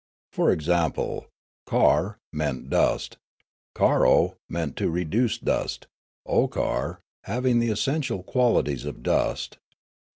For example: " kar " meant " dust ";" karo " meant " to reduce to dust "; "okar," "having the essential qualities of dust."